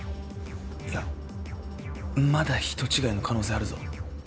いやまだ人違いの可能性あるぞ。